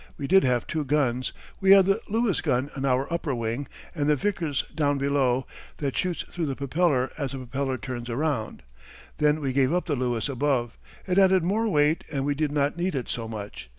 We did have two guns. We had the Lewis gun on our upper wing and the Vickers down below, that shoots through the propeller as the propeller turns around. Then we gave up the Lewis above. It added more weight, and we did not need it so much.